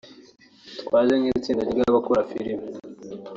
twaje nk’itsinda ry’abakora filimi